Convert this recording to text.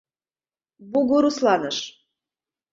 БУГУРУСЛАНЫШ